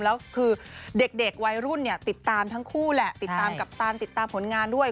แล้วคือเด็กวัยรุ่นเนี่ยติดตามทั้งคู่แหละติดตามกัปตันติดตามผลงานด้วย